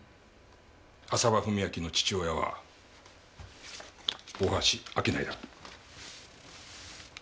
浅羽史明の父親は大橋明成だ。